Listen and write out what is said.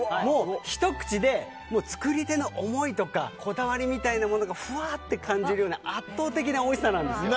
ひと口で作り手の思いとかこだわりみたいなものがふわって感じるような圧倒的なおいしさなんです。